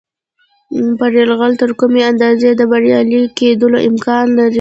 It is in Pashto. یرغل تر کومې اندازې د بریالي کېدلو امکان لري.